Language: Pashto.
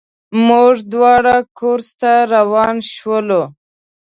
موږ دواړه کورس ته روان شولو.